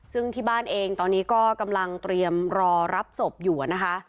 ซึ่งที่บ้านเองตอนนี้ก็กำลังเตรียมรอรับศพอยู่นะคะ